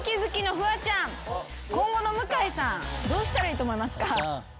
今後の向井さんどうしたらいいと思いますか？